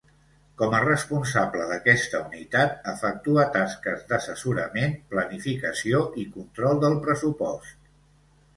Com a responsable d'aquesta Unitat efectua tasques d'assessorament, planificació i control del pressupost.